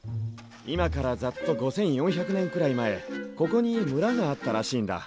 今からざっと５，４００年くらい前ここに村があったらしいんだ。